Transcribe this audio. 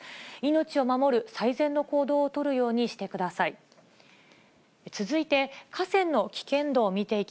命を守る最善の行動を取るようにしてください。